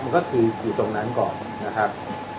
ก็คืออยู่ตรงนั้นก่อนนะครับ